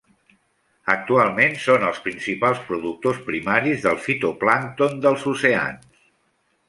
Actualment són els principals productors primaris del fitoplàncton dels oceans.